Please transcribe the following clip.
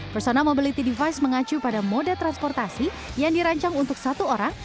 persona mobility device mengacu pada moda transportasi yang dirancang untuk satu orang